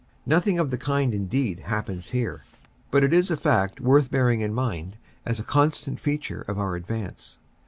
Nothing of the kind indeed happens here, but it is a fact worth bearing in mind as a constant feature of our advance.